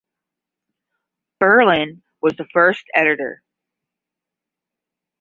Berlin was the first editor.